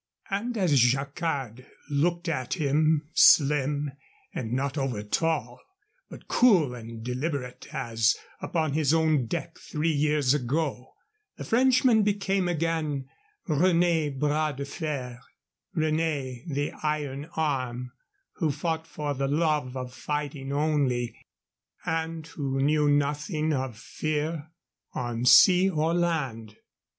And as Jacquard looked at him, slim and not over tall, but cool and deliberate, as upon his own deck three years ago, the Frenchman became again "René Bras de Fer," "René the Iron Arm," who fought for the love of fighting only, and who knew nothing of fear on sea or land.